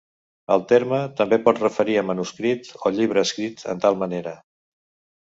El terme també pot referir a manuscrit o llibre escrit en tal material.